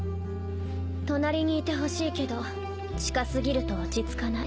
隣に居てほしいけど近過ぎると落ち着かない。